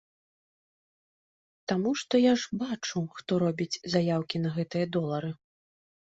Таму што я ж бачу, хто робіць заяўкі на гэтыя долары.